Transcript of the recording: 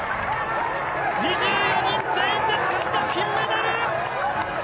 ２４人全員でつかんだ金メダル！